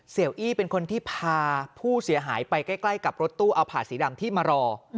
อี้เป็นคนที่พาผู้เสียหายไปใกล้กับรถตู้เอาผ่าสีดำที่มารอ